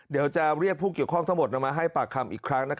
เดี๋ยวจะเรียกผู้เกี่ยวข้องทั้งหมดมาให้ปากคำอีกครั้ง